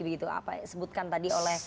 begitu apa yang disebutkan tadi oleh